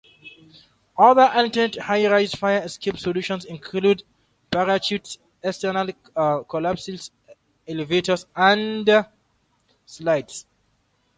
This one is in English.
Other alternate high-rise fire escape solutions include parachutes, external collapsible elevators, and slides.